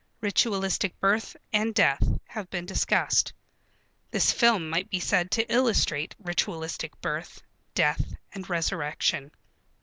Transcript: Ritualistic birth and death have been discussed. This film might be said to illustrate ritualistic birth, death, and resurrection.